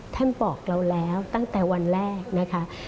ท่านบอกเราแล้วตั้งแต่วันแรกนะคะ